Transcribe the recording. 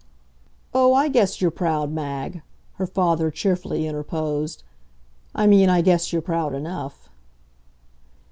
"Oh, I guess you're proud, Mag," her father cheerfully interposed. "I mean I guess you're proud enough."